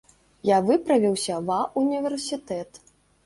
Я выправіўся ва ўніверсітэт.